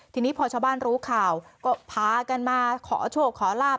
ทีนี้พอชาวบ้านรู้ข่าวก็พากันมาขอโชคขอลาบ